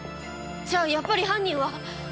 じゃあやっぱり犯人は。